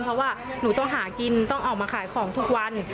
เพราะว่าหนูต้องหากินต้องออกมาขายของทุกวัน